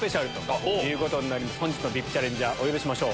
本日のＶＩＰチャレンジャーお呼びしましょう